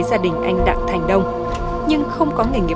và phía trước nhà là có một người